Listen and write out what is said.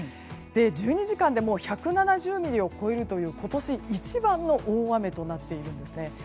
１２時間で１７０ミリを超えるという今年一番の大雨となっているんです。